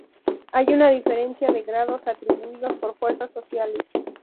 Hay una diferencia de grados atribuidos por fuerzas sociales.